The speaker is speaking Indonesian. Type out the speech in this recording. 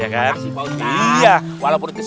makasih pak ustaz